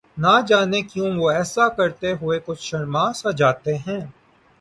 نہ جانے کیوں وہ ایسا کرتے ہوئے کچھ شرماسا جاتے ہیں